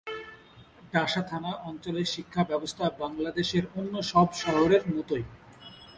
ডাসার থানা অঞ্চলের শিক্ষা ব্যবস্থা বাংলাদেশের অন্য সব শহরের মতই।